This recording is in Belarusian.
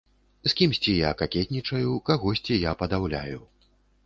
З кімсьці я какетнічаю, кагосьці я падаўляю.